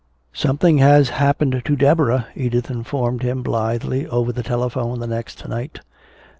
"Something has happened to Deborah," Edith informed him blithely, over the telephone the next night.